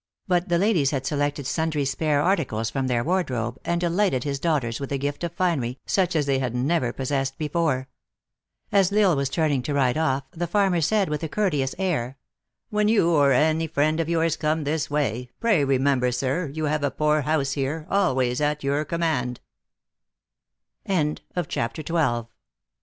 But the ladies had selected sundry spare articles from their wardrobe, and delighted his daugh ters with the gift of finery, such as they had never possessed before. As L Isle was turning to ride off, the farmer said, with a courteous [air :] "When you or any friend of yours come this way, pray remem ber, sir, you have a